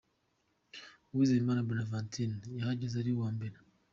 Uwizeyimana Bonaventure yahageze ari uwa mbere .